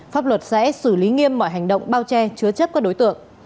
pháp luật sẽ xử lý nghiêm mọi hành động bao che chứa chấp các đối tượng